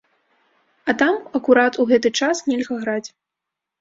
А там акурат у гэты час нельга граць.